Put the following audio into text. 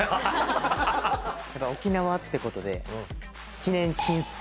沖縄ってことで記念。